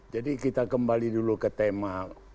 jadi kita kembali dulu ke tema